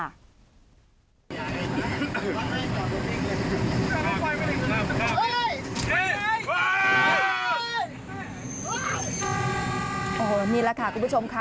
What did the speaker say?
นี่แหละค่ะคุณผู้ชมค่ะ